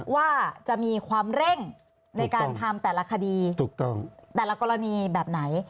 ว่าจะมีความเร่งในการทำแต่ละคดีแต่ละกรณีแบบไหน